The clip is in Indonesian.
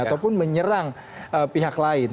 ataupun menyerang pihak lain